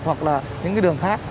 hoặc là những cái đường khác